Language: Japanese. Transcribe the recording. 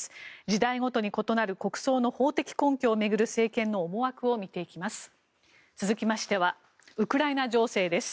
時代ごとに異なる国葬の法的根拠を巡る政権の思惑を見ていきます。